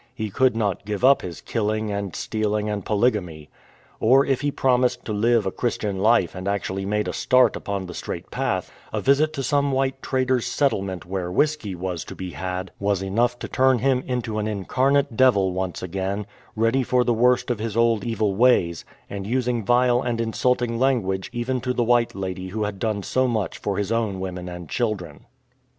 He could not give up his killing and stealing and polygamy. Or if he promised to live a Christian life and actually made a start upon the straight path, a visit to some white trader's settlement where whisky was to be had was enough to turn him into an incarnate devil once again, ready for the worst of his old evil ways, and using vile and insulting language even to the white lady who had done so much for his own women and children.